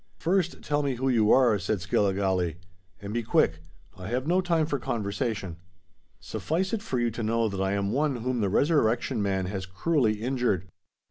"First tell me who you are," said Skilligalee. "And be quick—I have no time for conversation." "Suffice it for you to know that I am one whom the Resurrection Man has cruelly injured.